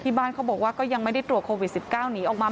บ้านเขาบอกว่าก็ยังไม่ได้ตรวจโควิด๑๙หนีออกมา